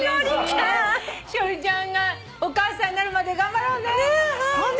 栞ちゃんがお母さんになるまで頑張ろうね。